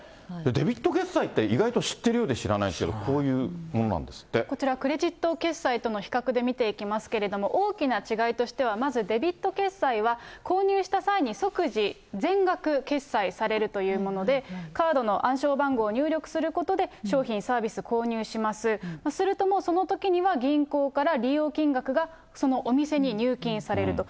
デビット決済って意外と知ってるようで知らないんですけど、これ、クレジット決済との比較で見ていきますけれども、大きな違いとしては、まずデビット決済は、購入した際に、即時全額決済されるというもので、カードの暗証番号を入力することで、商品、サービス購入します、するともう、そのときには、銀行から利用金額がそのお店に入金されると。